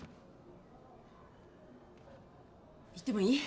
言ってもいい？